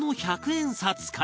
１００円札か。